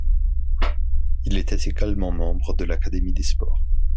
Il était également membre de l'Académie des sports.